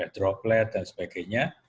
droplet dan sebagainya